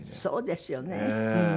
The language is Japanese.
そうですよね。